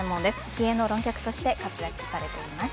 気鋭の論客として活躍されています。